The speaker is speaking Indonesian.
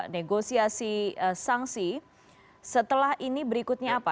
negosiasi sanksi setelah ini berikutnya apa